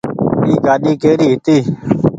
اي گآڏي ڪيري هيتي